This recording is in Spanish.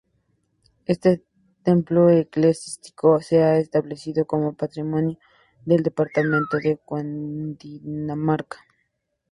Este templo eclesiástico se ha establecido como patrimonio del departamento de Cundinamarca.